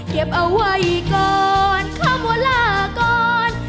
เก็บเอาไว้ก่อนคำว่าลาก่อน